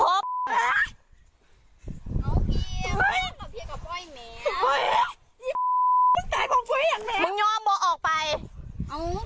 เอาเกียร์โพพี่กับต์พ่อไอ้แมงตายบอกกดไปอย่าง